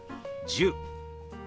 １０。